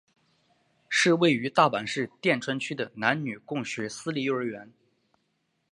是位于大阪市淀川区的男女共学私立幼儿园。